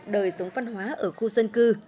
đời sống văn hoá ở khu dân cư